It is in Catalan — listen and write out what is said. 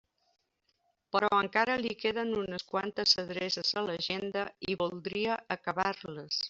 Però encara li queden unes quantes adreces a l'agenda i voldria acabar-les.